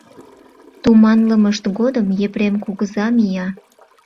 Туманлымышт годым Епрем кугыза мия.